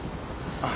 あっ。